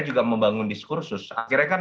juga membangun diskursus akhirnya kan